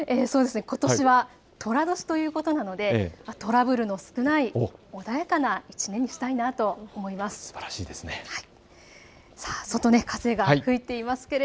ことしはとら年ということなのでトラブルの少ない穏やかな１年にしたいなと思います。